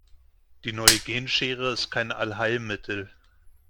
Die neue Genschere ist kein Allheilmittel.